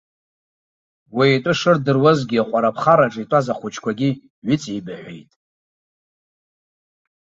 Уи итәы шырдыруазгьы, аҟәара аԥхараҿы итәаз ахәыҷқәагьы ҩыҵеибаҳәеит.